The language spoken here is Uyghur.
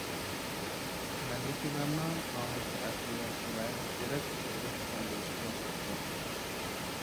مەلىكە بەرنا ناھايىتى ئەقىللىق ۋە زېرەك قىز بولۇپ چوڭ بولۇشقا باشلاپتۇ.